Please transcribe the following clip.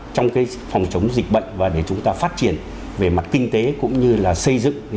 trong phòng chống dịch bệnh và để chúng ta phát triển về mặt kinh tế cũng như là xây dựng